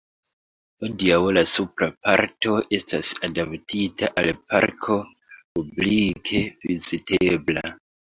Hodiaŭ la supra parto estas adaptita al parko publike vizitebla.